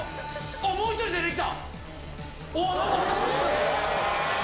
もう１人出てきた。